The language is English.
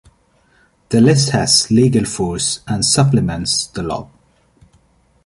The list has legal force and supplements the law.